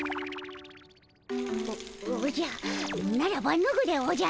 おおじゃならばぬぐでおじゃる！